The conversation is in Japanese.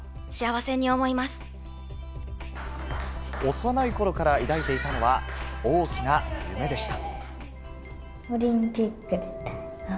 幼い頃から抱いていたのは大きな夢でした。